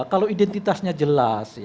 kalau identitasnya jelas